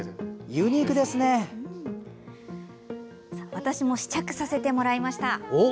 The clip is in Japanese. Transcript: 私も試着させてもらいました。